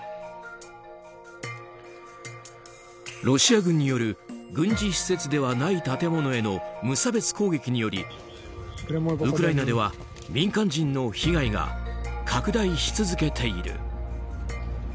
ロシア軍による軍事施設ではない建物への無差別攻撃によりウクライナでは民間人の被害が拡大し続けている。